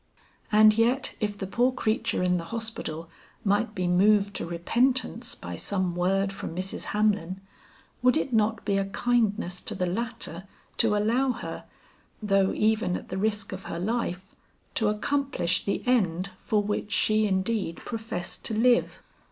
And yet if the poor creature in the hospital might be moved to repentance by some word from Mrs. Hamlin, would it not be a kindness to the latter to allow her, though even at the risk of her life, to accomplish the end for which she indeed professed to live?